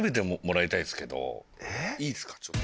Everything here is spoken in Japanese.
いいですかちょっと。